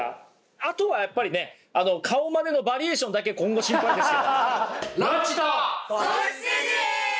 あとはやっぱりね顔マネのバリエーションだけ今後心配ですよ。